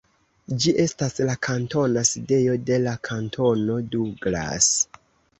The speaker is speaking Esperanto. Ĝi estas la kantona sidejo de la kantono Douglas.